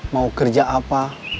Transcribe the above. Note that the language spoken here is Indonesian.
mau kerja apa